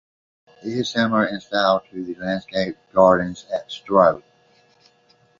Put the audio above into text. It is similar in style to the landscape gardens at Stowe.